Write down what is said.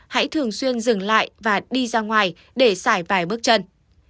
hãy thường xuyên dừng lại và đi ra ngoài để xài vài bước chân